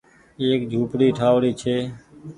ايڪ جهوپڙي ٺآئوڙي ڇي